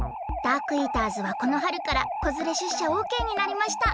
ダークイーターズはこのはるからこづれしゅっしゃオーケーになりました。